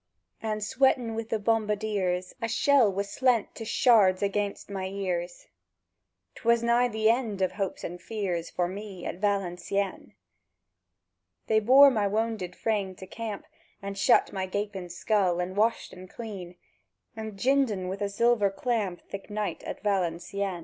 And, sweatèn wi' the bombardiers, A shell was slent to shards anighst my ears: —'Twas nigh the end of hopes and fears For me at Valencieën! They bore my wownded frame to camp, And shut my gapèn skull, and washed en cleän, And jined en wi' a zilver clamp Thik night at Valencieën.